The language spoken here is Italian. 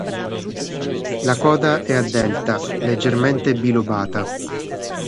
La coda è a delta, leggermente bilobata.